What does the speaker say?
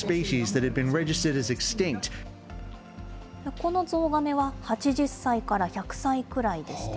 このゾウガメは、８０歳から１００歳くらいでした。